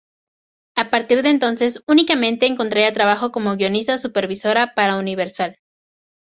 A partir de entonces únicamente encontraría trabajo como guionista supervisora para Universal.